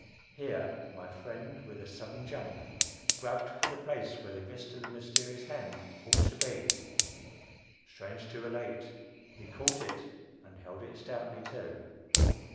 Here my friend, with a sudden jump, grabbed for the place where the wrist of the mysterious hand ought to be. Strange to relate, he caught it, and held it stoutly, to.